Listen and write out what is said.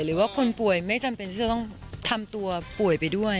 หรือว่าคนป่วยไม่จำเป็นที่จะต้องทำตัวป่วยไปด้วย